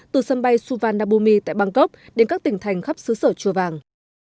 từ sân bay suvarnabumi tại bangkok đến các tỉnh thành khắp xứ sở chùa vàng